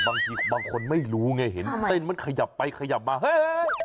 บางทีบางคนไม่รู้ไงเห็นเต้นมันขยับไปขยับมาเฮ้ย